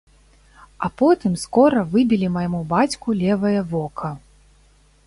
А потым, скора, выбілі майму бацьку левае вока.